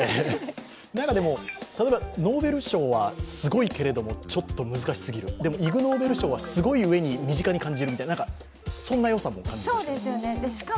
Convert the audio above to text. でも、ノーベル賞はすごいけれども、ちょっと難しすぎるでも、イグ・ノーベル賞受賞はすごい上に身近に感じるみたいなそんなよさも感じました。